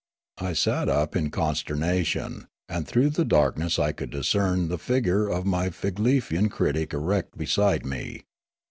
I sat up in consternation, and through the darkness I could discern the figure of ni}' Figlefian critic erect beside me.